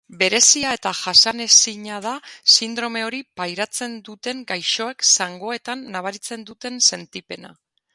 Berezia eta jasanezina da sindrome hori pairatzen duten gaixoek zangoetan nabaritzen duten sentipena.